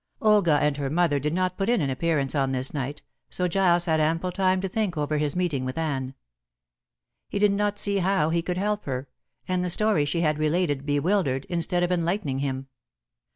Olga and her mother did not put in an appearance on this night, so Giles had ample time to think over his meeting with Anne. He did not see how he could help her, and the story she had related bewildered, instead of enlightening him.